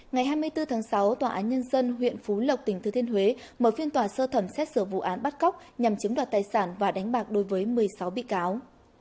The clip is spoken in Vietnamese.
ngày hai mươi bốn tháng sáu tòa án nhân dân huyện phú lộc tỉnh thừa thiên huế mở phiên tòa sơ thẩm xét xử vụ án bắt cóc nhằm chiếm đoạt tài sản và đánh bạc đối với một mươi sáu bị cáo